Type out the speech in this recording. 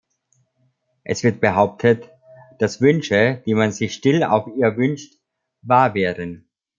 Es wird behauptet, dass Wünsche, die man sich still auf ihr wünscht, wahr werden.